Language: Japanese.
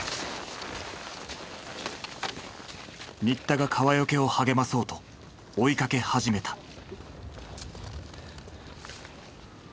新田が川除を励まそうと追いかけ始めた。